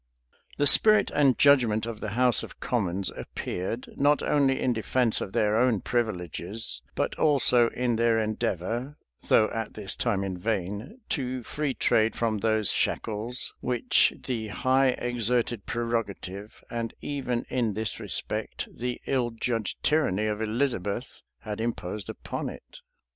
The spirit and judgment of the house of commons appeared, not only in defence of their own privileges, but also in their endeavor, though at this time in vain, to free trade from those shackles which the high exerted prerogative, and even, in this respect, the ill judged tyranny of Elizabeth, had imposed upon it.